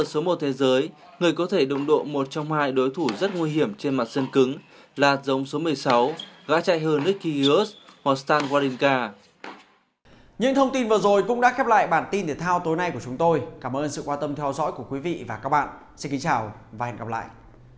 xin chào và hẹn gặp lại